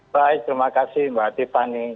baik terima kasih mbak tiffany